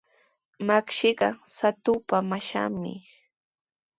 Makshiqa Shatupa mashanmi.